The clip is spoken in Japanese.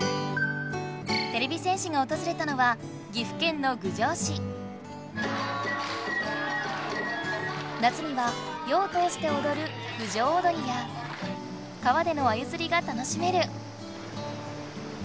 てれび戦士がおとずれたのは夏には夜を通しておどる郡上おどりや川でのアユつりが楽しめる。